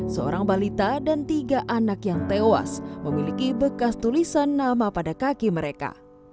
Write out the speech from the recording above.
seorang balita dan tiga anak yang tewas memiliki bekas tulisan nama pada kaki mereka